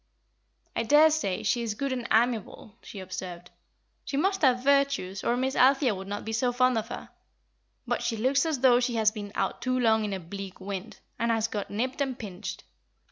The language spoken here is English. "I daresay she is good and amiable," she observed; "she must have virtues, or Miss Althea would not be so fond of her. But she looks as though she has been out too long in a bleak wind, and has got nipped and pinched.